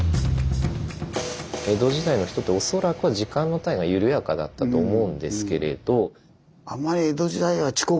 江戸時代の人って恐らくは時間の単位が緩やかだったと思うんですけれど。